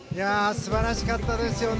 素晴らしかったですね。